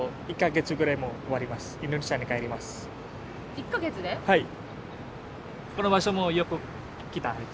１か月で⁉はい。